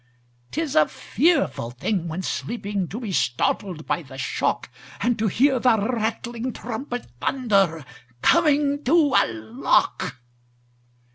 'Tis a fearful thing when sleeping To be startled by the shock, And to hear the rattling trumpet Thunder, "Coming to a lock!"